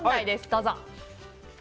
どうぞ。